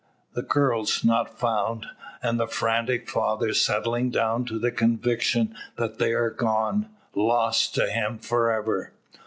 The girls not found, and the frantic father settling down to the conviction that they are gone lost to him forever!